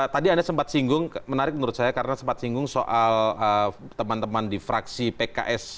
tadi anda sempat singgung menarik menurut saya karena sempat singgung soal teman teman di fraksi pks